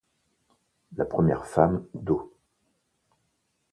La première femme d'O.